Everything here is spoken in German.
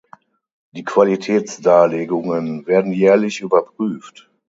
Die Qualitätsdarlegungen werden jährlich überprüft.